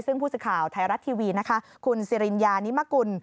ซึ่งผู้สื่อข่าวไทยรัฐทีวีนะคะคุณสิริญญานิมกุล